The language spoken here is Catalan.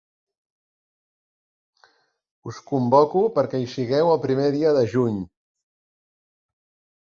Us convoco perquè hi sigueu el primer dia de juny.